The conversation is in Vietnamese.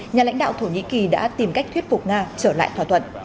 nhà lãnh đạo thổ nhĩ kỳ đã tìm cách thuyết phục nga trở lại thỏa thuận